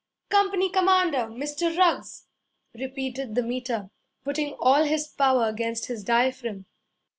'Company commander Mr. Ruggs!' repeated the Meter, putting all his power against his diaphragm.